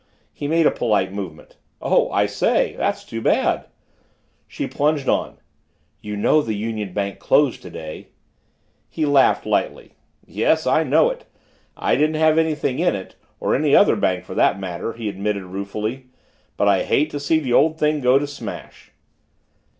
He made a polite movement. "Oh, I say! That's too bad." She plunged on. "You know the Union Bank closed today." He laughed lightly. "Yes, I know it! I didn't have anything in it or any other bank for that matter," he admitted ruefully, "but I hate to see the old thing go to smash."